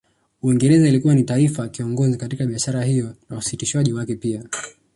Uingereza ilikuwa ni taifa kiongozi katika biashara hiyo na usitishwaji wake pia